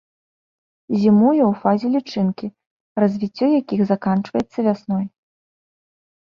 Зімуе ў фазе лічынкі, развіццё якіх заканчваецца вясной.